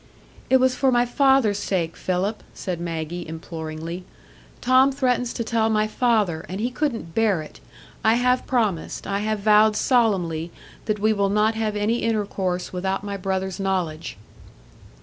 "It was for my father's sake, Philip," said Maggie, imploringly. "Tom threatens to tell my father, and he couldn't bear it; I have promised, I have vowed solemnly, that we will not have any intercourse without my brother's knowledge."